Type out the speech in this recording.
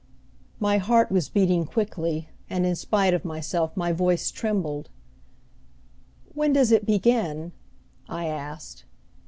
My heart was beating quickly, and in spite of myself my voice trembled. "When does it begin?" I asked.